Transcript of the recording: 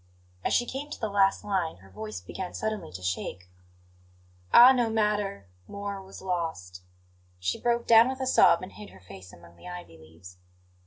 As she came to the last line, her voice began suddenly to shake. "Ah, no matter! More was lost " She broke down with a sob and hid her face among the ivy leaves.